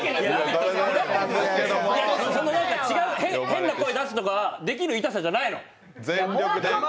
違う、変な声出すのができる痛さじゃないの。